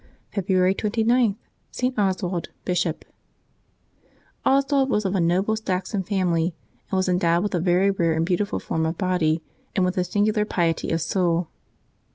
February 29. — ST. OSWALD, Bishop. OSWALD was of a noble Saxon family, and was endowed with a very rare and beautiful form of body and with a singular piety of soul.